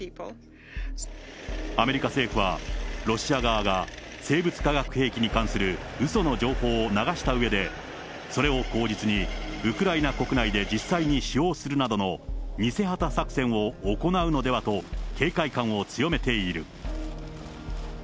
アメリカ政府は、ロシア側が生物化学兵器に関するうその情報を流したうえで、それを口実にウクライナ国内で実際に使用するなどの偽旗作戦を行うのではと、警戒感を強めている。